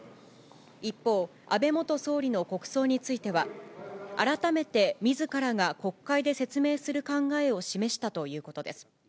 一方、安倍元総理の国葬については、改めてみずからが国会で説明する考えを示したということです。